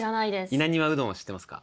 稲庭うどんは知ってますか？